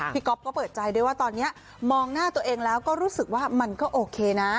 ก๊อฟก็เปิดใจด้วยว่าตอนนี้มองหน้าตัวเองแล้วก็รู้สึกว่ามันก็โอเคนะ